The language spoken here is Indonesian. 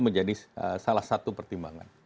menjadi salah satu pertimbangan